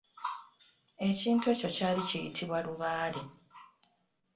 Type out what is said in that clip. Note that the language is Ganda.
Ekintu ekyo kyali kiyitibwa lubaale.